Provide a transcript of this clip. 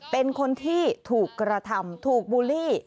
เป็นคนที่ถูกกระทำถูกบูลลี่